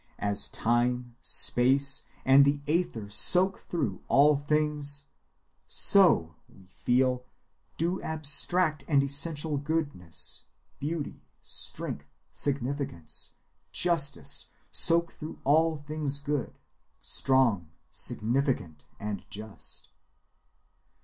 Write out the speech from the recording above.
As time, space, and the ether soak through all things, so (we feel) do abstract and essential goodness, beauty, strength, significance, justice, soak through all things good, strong, significant, and just.